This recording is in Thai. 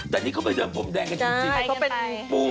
แต่นี่เขาไปเริ่มผมแดงกันจริงใช่เขาเป็น